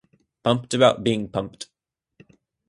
Pumped about being pumped.